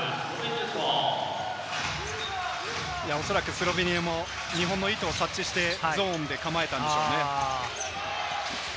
スロベニアも日本の意図を察知してゾーンで構えたのでしょうね。